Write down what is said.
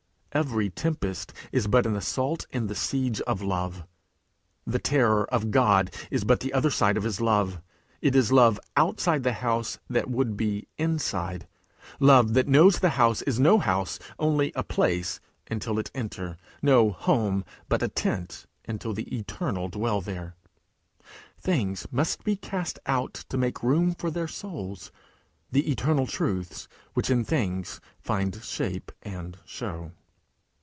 Every tempest is but an assault in the siege of love. The terror of God is but the other side of his love; it is love outside the house, that would be inside love that knows the house is no house, only a place, until it enter no home, but a tent, until the Eternal dwell there. Things must be cast out to make room for their souls the eternal truths which in things find shape and show.